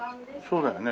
そうだよね。